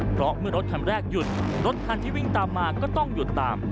เพราะเมื่อรถคันแรกหยุดรถคันที่วิ่งตามมาก็ต้องหยุดตาม